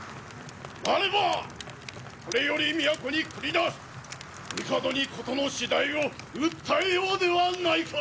なればこれより都に繰り出し帝に事の次第を訴えようではないか！